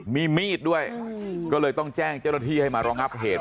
มีมีดด้วยก็เลยต้องแจ้งเจ้าหน้าที่ให้มารองับเหตุ